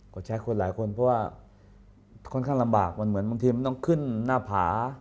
ก็ใช้คนหลายคนเพราะว่าค่อนข้างลำบากมันเหมือนบางทีมันต้องขึ้นหน้าผา